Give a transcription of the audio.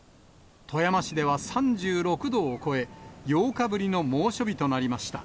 富山市では３６度を超え、８日ぶりの猛暑日となりました。